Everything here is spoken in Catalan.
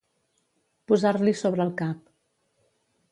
Posar-l'hi sobre el cap.